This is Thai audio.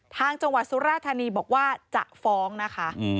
ทางจังหวัดสุราธานีบอกว่าจะฟ้องนะคะ